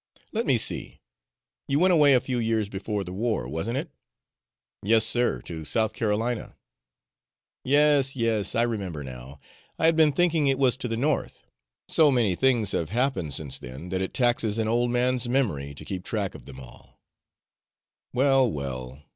"Let me see you went away a few years before the war, wasn't it?" "Yes, sir, to South Carolina." "Yes, yes, I remember now! I had been thinking it was to the North. So many things have happened since then, that it taxes an old man's memory to keep track of them all. Well, well!